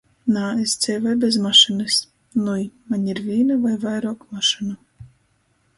Nā, es dzeivoju bez mašynys. Nui, maņ ir vīna voi vairuok mašynu.